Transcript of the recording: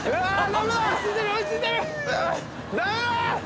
ダメだ！